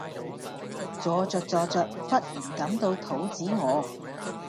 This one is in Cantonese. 坐著坐著忽然感到肚子餓